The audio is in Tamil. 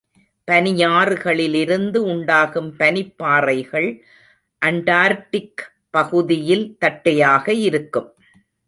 பனியாறுகளிலிருந்து உண்டாகும் பனிப்பாறைகள் அண்டார்க்டிக் பகுதியில் தட்டையாக இருக்கும்.